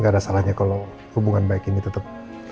gak ada salahnya kalau hubungan baik ini tetap